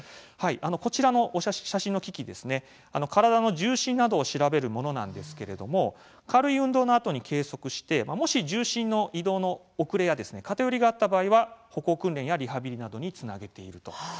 こちらの写真の機器体の重心などを調べるものなんですけれども軽い運動のあとに計測してもし重心の移動の遅れや偏りがあった場合は、歩行訓練やリハビリなどにつなげていると。